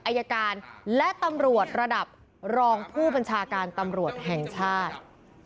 อายการและตำรวจระดับรองผู้บัญชาการตำรวจแห่งชาติ